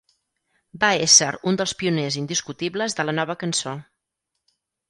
Va ésser un dels pioners indiscutibles de la Nova Cançó.